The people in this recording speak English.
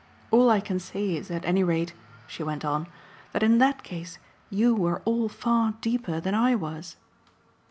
All I can say is at any rate," she went on, "that in that case you were all far deeper than I was."